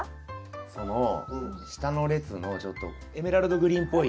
その下の列のちょっとエメラルドグリーンっぽい。